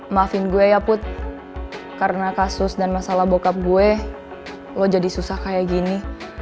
maafin gue ya put karena kasus dan masalah bokap gue lo jadi susah kayak gini